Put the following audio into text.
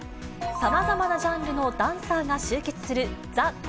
さまざまなジャンルのダンサーが集結するＴＨＥＤＡＮＣＥＤＡＹ。